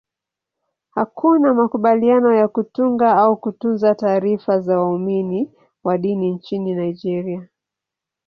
Hakuna makubaliano ya kutunga au kutunza taarifa za waumini wa dini nchini Nigeria.